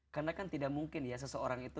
karena kan tidak mungkin ya seseorang itu